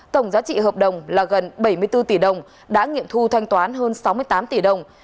tổng giá trị hợp đồng là gần bảy mươi bốn tỷ đồng đã nghiệm thu thanh toán hơn sáu mươi tám tỷ đồng